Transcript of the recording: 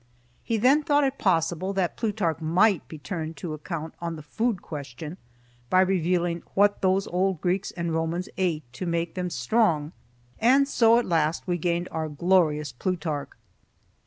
He then thought it possible that Plutarch might be turned to account on the food question by revealing what those old Greeks and Romans ate to make them strong; and so at last we gained our glorious Plutarch.